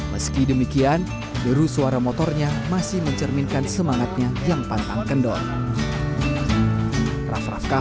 meski demikian deru suara motornya masih mencerminkan semangatnya yang pantang kendor